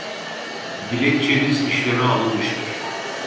Dilekçeniz işleme alınmıştır